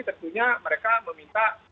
tentunya mereka meminta